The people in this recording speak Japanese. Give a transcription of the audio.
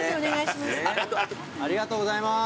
ありがとうございます。